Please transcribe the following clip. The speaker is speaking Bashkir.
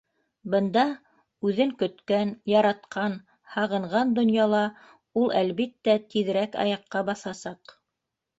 Бында, үҙен көткән, яратҡан, һағынған донъяла, ул, әлбиттә, тиҙерәк аяҡҡа баҫасаҡ.